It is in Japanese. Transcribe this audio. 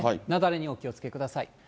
雪崩にお気をつけください。